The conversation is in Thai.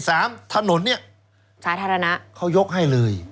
สามถนนเนี่ยสาธารณะเขายกให้เลย